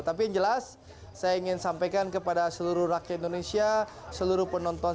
tapi yang jelas saya ingin sampaikan kepada seluruh rakyat indonesia seluruh penonton